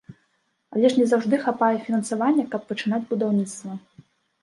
Але ж не заўжды хапае фінансавання, каб пачынаць будаўніцтва.